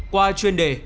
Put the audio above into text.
qua chuyên đề